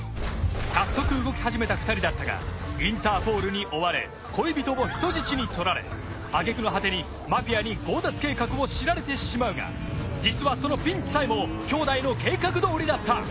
早速動きはじめた２人だったがインターポールに追われ恋人を人質にとられ挙句の果てにマフィアに強奪計画を知られてしまうが実はそのピンチさえも兄弟の計画どおりだった。